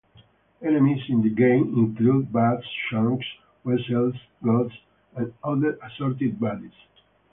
Enemies in the game include bats, skunks, weasels, ghosts, and other assorted baddies.